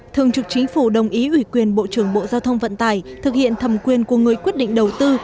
thường trực chính phủ đồng ý ủy quyền bộ trưởng bộ giao thông vận tải thực hiện thẩm quyền của người quyết định đầu tư